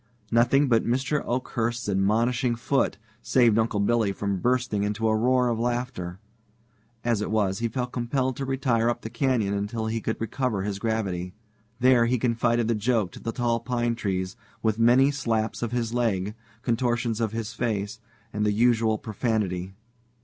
Nothing but Mr. Oakhurst's admonishing foot saved Uncle Billy from bursting into a roar of laughter. As it was, he felt compelled to retire up the canyon until he could recover his gravity. There he confided the joke to the tall pine trees, with many slaps of his leg, contortions of his face, and the usual profanity.